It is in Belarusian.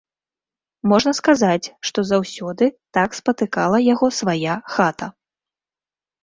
Можна сказаць, што заўсёды так спатыкала яго свая хата.